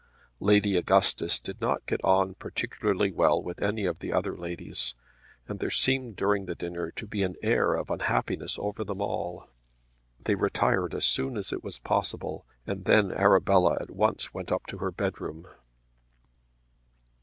Lady Augustus did not get on particularly well with any of the other ladies, and there seemed during the dinner to be an air of unhappiness over them all. They retired as soon as it was possible, and then Arabella at once went up to her bedroom.